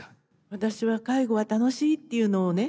私は介護は楽しいっていうのをね